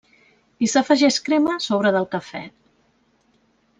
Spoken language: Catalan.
I s'afegeix crema a sobre del cafè.